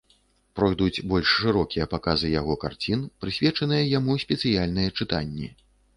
Пройдуць больш шырокія паказы яго карцін, прысвечаныя яму спецыяльныя чытанні.